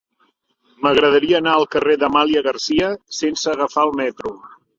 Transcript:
M'agradaria anar al carrer d'Amàlia Garcia sense agafar el metro.